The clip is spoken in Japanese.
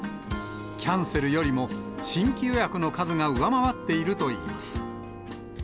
キャンセルよりも新規予約の数が上回っているといいます。